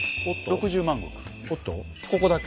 ここだけ。